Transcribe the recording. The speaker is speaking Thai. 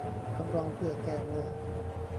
รับรองเพื่อแก้หน้า